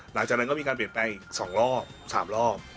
หลังจากนั้นก็มีการเปลี่ยนแปลงอีก๒รอบ๓รอบ